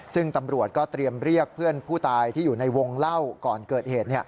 ซึ่งตำรวจก็เตรียมเรียกเพื่อนผู้ตายที่อยู่ในวงเล่าก่อนเกิดเหตุ